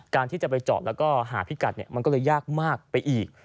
ที่จะไปจอดแล้วก็หาพิกัดมันก็เลยยากมากไปอีก